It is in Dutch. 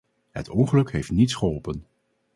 Het ongeluk heeft niets geholpen.